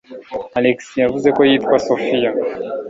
Alex yavuze ko yitwa Sophia.